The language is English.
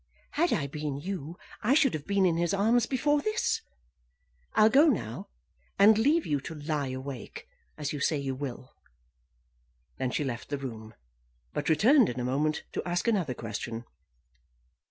Had I been you I should have been in his arms before this. I'll go now, and leave you to lie awake, as you say you will." Then she left the room, but returned in a moment to ask another question.